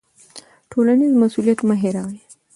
ټولنیز مسوولیت مه هیروئ.